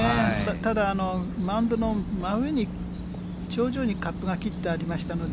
ただ、マウンドの真上に、頂上にカップが切ってありましたので、